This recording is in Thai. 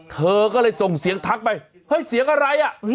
เธอก็เลยส่งเสียงทักไปเฮ้ยเสียงอะไรอ่ะ